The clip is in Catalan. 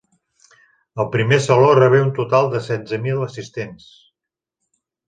El primer Saló rebé un total de setze mil assistents.